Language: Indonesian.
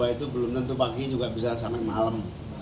dua puluh dua itu belum tentu pagi juga bisa sampai malam